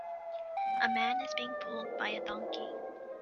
A man is being pulled by a donkey.